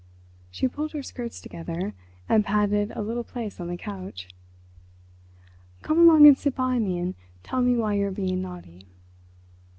She pulled her skirts together and patted a little place on the couch. "Come along and sit by me and tell me why you're being naughty."